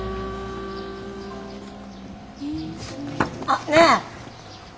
あっねえ。